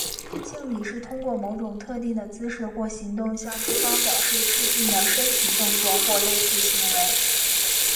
敬礼是通过某种特定的姿势或行动向对方表示致敬的身体动作或类似行为。